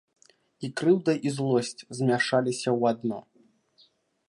І крыўда і злосць змяшаліся ў адно.